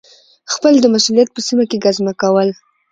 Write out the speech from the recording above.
خپل د مسؤلیت په سیمه کي ګزمه کول